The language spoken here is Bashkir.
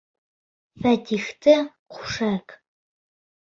Фәтихте ҡушайыҡ!